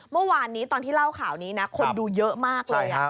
เมื่อวานนี้ตอนที่เล่าข่าวนี้นะคนดูเยอะมากเลย